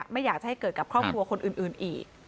ไม่อยากจะให้เกิดกับครอบครัวคนอื่นอีก